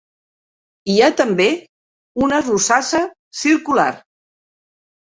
Hi ha també una rosassa circular.